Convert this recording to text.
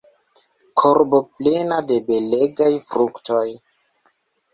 Korbo plena de belegaj fruktoj!